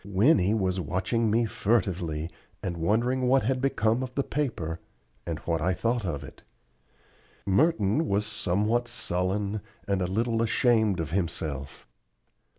Winnie was watching me furtively, and wondering what had become of the paper, and what I thought of it. Merton was somewhat sullen, and a little ashamed of himself.